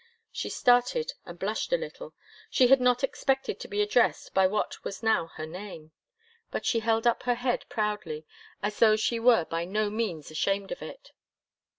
She started and blushed a little. She had not expected to be addressed by what was now her name. But she held up her head, proudly, as though she were by no means ashamed of it.